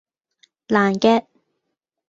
爛 gag